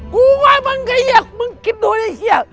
กูว่าบ้างไงเฮียมึงคิดดูไอ้เฮีย